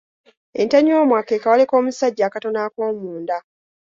Entanyoomwa ke kawale k’omusajja akatono akoomu nda.